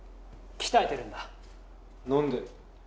鍛えてるんだ何で？